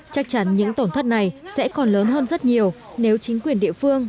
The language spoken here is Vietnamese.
chắc chắn những tổn thất này sẽ còn lớn hơn rất nhiều nếu chính quyền địa phương